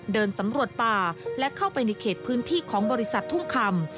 เดินสำรวจป่าและเข้าไปในเขตพื้นที่ของบริษัททุ่งคำ